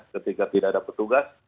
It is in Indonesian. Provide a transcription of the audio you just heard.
ketika tidak ada petugas